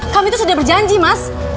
kamu tuh sudah berjanji mas